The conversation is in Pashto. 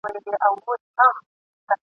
د رقیب دي زړه را سوړ کی زړه دي وچوه اسمانه !.